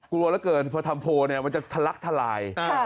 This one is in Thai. กลัวแล้วเกินเพราะทำโพลมันจะทะลักทะลาย